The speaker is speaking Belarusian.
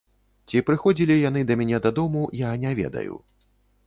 Ці прыходзілі яны да мяне дадому, я не ведаю.